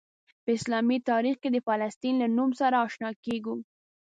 په اسلامي تاریخ کې د فلسطین له نوم سره آشنا کیږو.